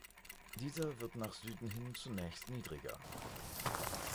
Dieser wird nach Süden hin zunächst niedriger.